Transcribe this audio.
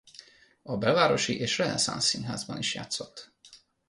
A Belvárosi és Renaissance Színházban is játszott.